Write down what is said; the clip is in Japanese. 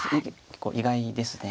結構意外です。